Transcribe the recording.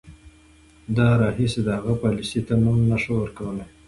د راهیسې هغې پالیسۍ ته نوم نه شو ورکولای.